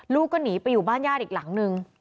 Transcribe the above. ลูกก็หนีไปอยู่บ้านญาติอีกหลังนึง